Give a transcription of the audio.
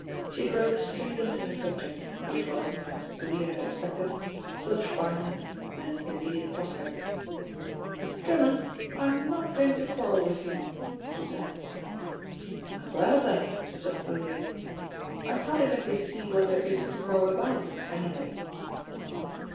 She drove straight into her subject, which was, as Thalia had expected, 'Flush' Barnet and his immediate prospects. "Drummond, I'm not going to quarrel with you," she said. "I'm glad of that," said Thalia. "I can't exactly see what there is to quarrel about, anyway."